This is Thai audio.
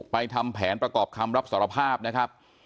ทำแผนประกอบคำรับสารภาพนะครับ